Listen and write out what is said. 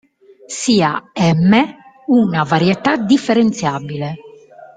Sia "M" una varietà differenziabile.